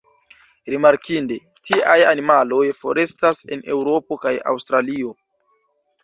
Rimarkinde, tiaj animaloj forestas en Eŭropo kaj Aŭstralio.